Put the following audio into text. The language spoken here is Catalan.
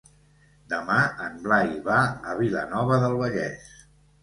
Demà en Blai va a Vilanova del Vallès.